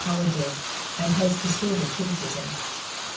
colleges and has distorted criticism.